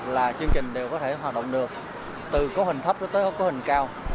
là chương trình đều có thể hoạt động được từ có hình thấp tới có hình cao